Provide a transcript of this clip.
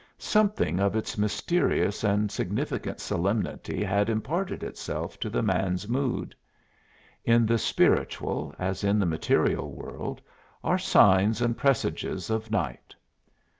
Something of its mysterious and significant solemnity had imparted itself to the man's mood. In the spiritual, as in the material world, are signs and presages of night.